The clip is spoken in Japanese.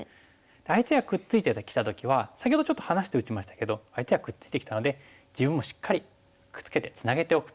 相手がくっついてきた時は先ほどちょっと離して打ちましたけど相手がくっついてきたので自分もしっかりくっつけてツナげておく。